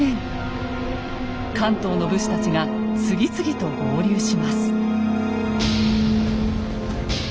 関東の武士たちが次々と合流します。